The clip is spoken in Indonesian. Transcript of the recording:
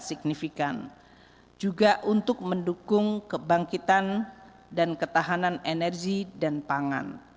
pembangunan kebangkitan dan ketahanan energi dan pangan